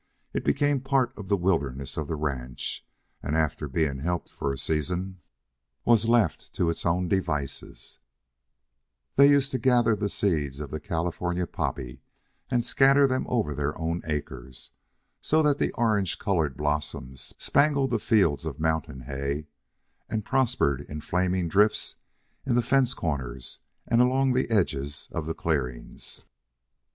It became part of the wildness of the ranch, and, after being helped for a season, was left to its own devices they used to gather the seeds of the California poppy and scatter them over their own acres, so that the orange colored blossoms spangled the fields of mountain hay and prospered in flaming drifts in the fence corners and along the edges of the clearings.